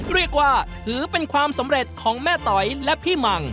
เรียกว่าถือเป็นความสำเร็จของแม่ต๋อยและพี่มัง